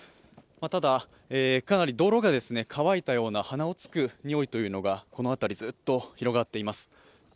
ただ、かなり泥が乾いたような鼻をつくにおいというのがこの辺りずっと広がっています。